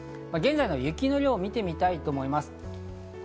現在の雪の量を見てみたいと思います。